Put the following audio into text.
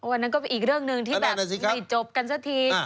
อันนั้นก็อีกเรื่องนึงที่แบบไม่จบกันละซะที